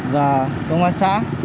và công an xã